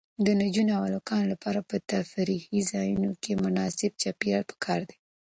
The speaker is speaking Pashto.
د نجونو او هلکانو لپاره په تفریحي ځایونو کې مناسب چاپیریال پکار دی.